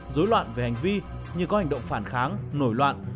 dối loạn về hành vi như có hành động phản kháng nổi loạn